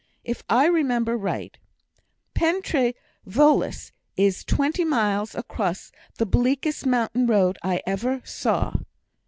If I remember right, Pen trê Voelas is twenty miles across the bleakest mountain road I ever saw."